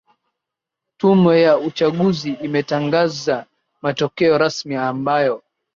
tume ya uchaguzi imetangaza matokeo rasmi ambayo